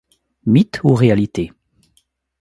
Mythe ou réalité?